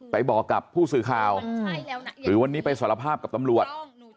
ไปบอกกับผู้สื่อข่าวหรือวันนี้ไปสารภาพกับตำรวจ